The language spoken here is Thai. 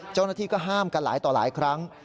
เจ้าหน้าที่ก็ห้ามกันหลายต่อหลายครั้ง